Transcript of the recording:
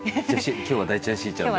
今日は大ちゃんしーちゃんで。